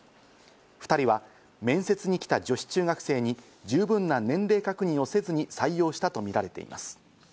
２人は面接に来た女子中学生に十分な年齢確認をせずに採用したとみられています。